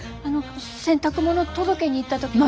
あの洗濯物届けに行った時。